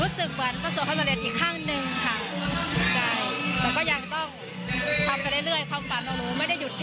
สูตรยอด